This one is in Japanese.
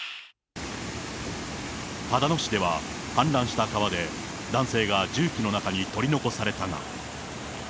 秦野市では、氾濫した川で、男性が重機の中に取り残されたが。